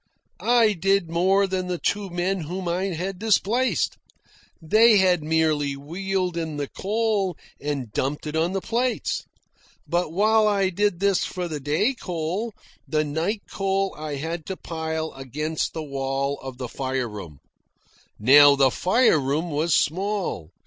I did more than the two men whom I had displaced. They had merely wheeled in the coal and dumped it on the plates. But while I did this for the day coal, the night coal I had to pile against the wall of the fire room. Now the fire room was small.